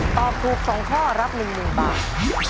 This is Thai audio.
ตอบถูก๒ข้อรับ๑๐๐๐บาท